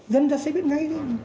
dân ta sẽ biết ngay